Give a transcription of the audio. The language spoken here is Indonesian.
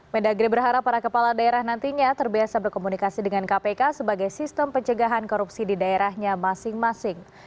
mendagri berharap para kepala daerah nantinya terbiasa berkomunikasi dengan kpk sebagai sistem pencegahan korupsi di daerahnya masing masing